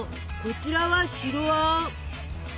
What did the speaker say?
こちらは白あん。